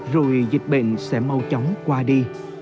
rồi dịch bệnh sẽ mau chóng qua đi